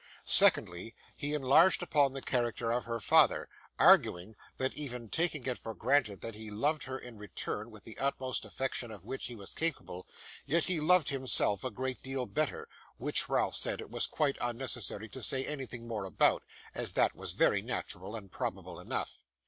Secondly, he enlarged upon the character of her father, arguing, that even taking it for granted that he loved her in return with the utmost affection of which he was capable, yet he loved himself a great deal better; which Ralph said it was quite unnecessary to say anything more about, as that was very natural, and probable enough.